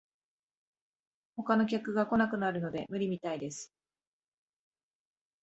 他の客が来なくなるので無理みたいです